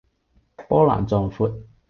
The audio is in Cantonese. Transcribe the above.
波瀾壯闊